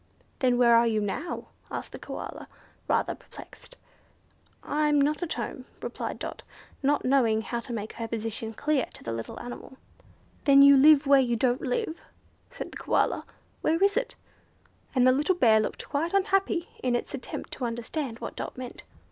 "Then, where are you now?" asked the Koala, rather perplexed. "I'm not at home," replied Dot, not knowing how to make her position clear to the little animal. "Then you live where you don't live?" said the Koala; "Where is it?" and the little Bear looked quite unhappy in its attempt to understand what Dot meant.